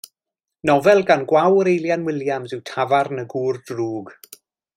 Nofel gan Gwawr Eilian Williams yw Tafarn y Gŵr Drwg.